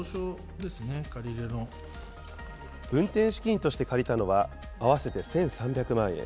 運転資金として借りたのは、合わせて１３００万円。